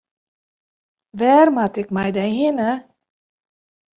Wêr moat it mei dy hinne?